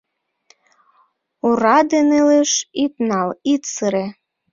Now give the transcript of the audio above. ОрадеНелеш ит нал, ит сыре.